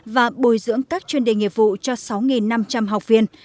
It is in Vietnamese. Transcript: và bồi dưỡng các chuyên đề nghiệp vụ cho sáu năm trăm linh học viên